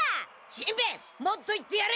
しんべヱもっと言ってやれ！